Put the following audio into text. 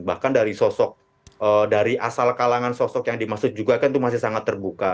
bahkan dari sosok dari asal kalangan sosok yang dimaksud juga kan itu masih sangat terbuka